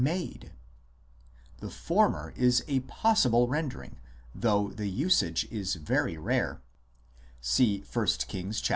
made ; the former is a possible rendering, though the usage is very rare (see 1 Kings xii.